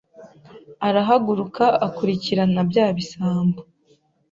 Arahaguruka akurikirana bya bisambo